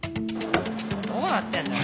どうなってんだよ？